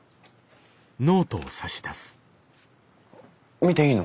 見ていいの？